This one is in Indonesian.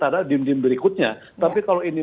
karena dim dim berikutnya tapi kalau ini